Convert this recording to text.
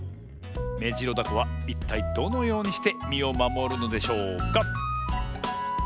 メジロダコはいったいどのようにしてみをまもるのでしょうか？